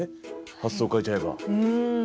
発想を変えちゃえば。